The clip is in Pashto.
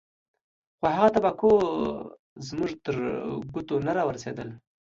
خو هغه تمباکو زموږ تر ګوتو نه راورسېدل.